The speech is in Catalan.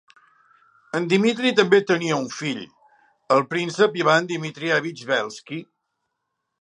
En Dmitry també tenia un fill, el príncep Ivan Dmitrievich Belsky.